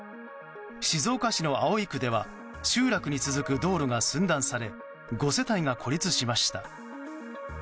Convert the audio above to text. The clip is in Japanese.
静岡市の葵区では集落に続く道路が寸断され５世帯が孤立しました。